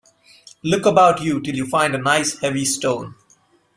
Look about you till you find a nice, heavy stone.